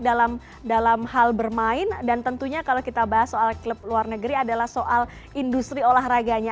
dalam hal bermain dan tentunya kalau kita bahas soal klub luar negeri adalah soal industri olahraganya